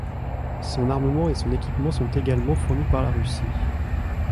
Son armement et son équipement sont également fournis par la Russie.